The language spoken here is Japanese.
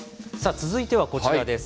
続いてはこちらです。